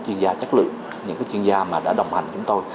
chuyên gia chất lượng những chuyên gia mà đã đồng hành với chúng tôi